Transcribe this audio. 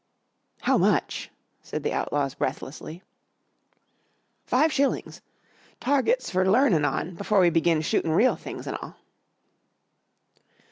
"How much?" said the outlaws breathlessly. "Five shillings targets for learnin' on before we begin shootin' real things an' all."